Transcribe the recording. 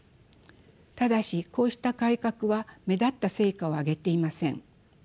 ただしこうした改革は目立った成果を上げていません。